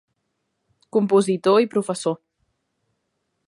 Compositor i professor.